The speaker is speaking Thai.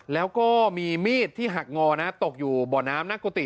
แล้วก็มีมีดที่หักงอนะตกอยู่บ่อน้ำหน้ากุฏิ